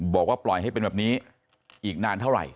บอกว่าปล่อยให้เป็นแบบนี้อีกนานเท่าไหร่